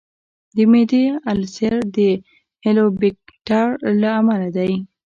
د معدې السر د هیليکوبیکټر له امله دی.